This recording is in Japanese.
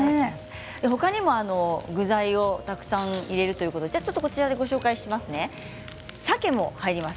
ほかにも具材をたくさん入れるということでご紹介していきます。